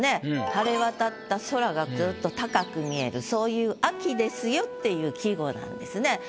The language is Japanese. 晴れ渡った空がずっと高く見えるそういう秋ですよっていう季語なんですね。